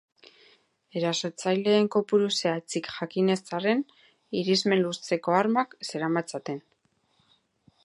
Erasotzaileen kopuru zehatzik jakin ez arren, irismen luzeko armak zeramatzaten.